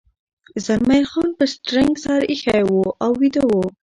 زلمی خان پر سټرینګ سر اېښی و او ویده و.